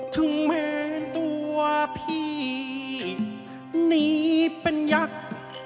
ถึงเมตัวพีครับเดี๋ยวนี้เป็นยักษ์